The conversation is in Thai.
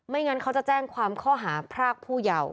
งั้นเขาจะแจ้งความข้อหาพรากผู้เยาว์